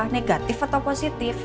negatif atau positif